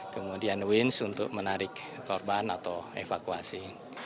kemudian winds untuk menarik korban atau evakuasi